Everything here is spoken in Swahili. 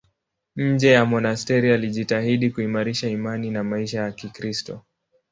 Nje ya monasteri alijitahidi kuimarisha imani na maisha ya Kikristo.